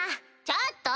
ちょっと！